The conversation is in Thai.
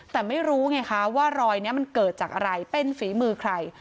แต่ไม่รู้ไงคะว่ารอยนี้มันเกิดจากอะไรเป็นฝีมือใคร